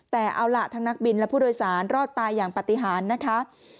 แต่เอาล่ะทั้งนักบินและผู้โดยสารรอดตายอย่างปฏิหารนะคะ